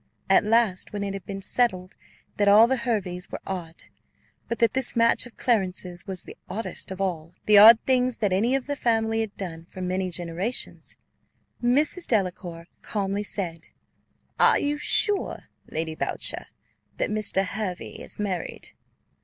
At last, when it had been settled that all the Herveys were odd, but that this match of Clarence's was the oddest of all the odd things that any of the family had done for many generations, Mrs. Delacour calmly said, "Are you sure, Lady Boucher, that Mr. Hervey is married?"